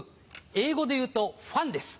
英語で言うとファンです。